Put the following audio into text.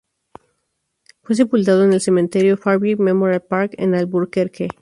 Fue sepultado en el cementerio Fairview Memorial Park en Albuquerque.